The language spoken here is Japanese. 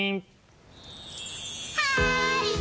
はい！